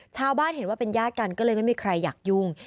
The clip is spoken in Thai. ชาวบ้านเห็นว่าเป็นญาติกันก็เลยไม่มีใครอยากยุ่ง